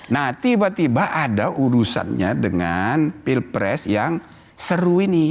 nah tiba tiba ada urusannya dengan pilpres yang seru ini